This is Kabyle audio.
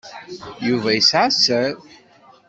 Yuba yesɛa sser.